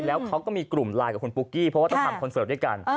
แล้วเขาก็มีกลุ่มไลน์กับคุณปุ๊กกี้เพราะว่าต้องทำคอนเสิร์ตด้วยกัน